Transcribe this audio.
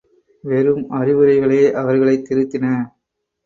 வெறும் அறிவுரைகளே அவர்களைத் திருத்தின.